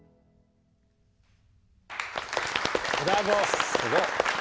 すごい！